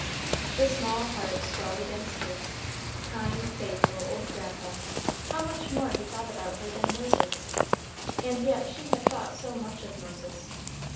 The small heart swelled against his. Kind, faithful old grandpa! how much more he thought about her than Moses; and yet she had thought so much of Moses.